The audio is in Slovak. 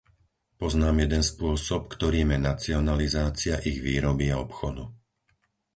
Poznám jeden spôsob, ktorým je nacionalizácia ich výroby a obchodu.